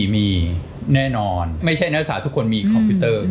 มีแน่นอนไม่ใช่นักศึกษาทุกคนมีคอมพิวเตอร์